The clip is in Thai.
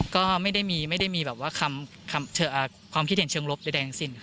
ก็ไม่ได้มีความคิดเห็นเชิงลบใดสิ้น